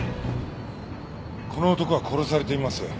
この男は殺されています。